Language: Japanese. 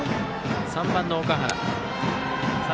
３番の岳原。